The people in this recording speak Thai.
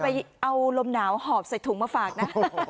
ไปเอาลมหนาวหอบใส่ถุงมาฝากนะ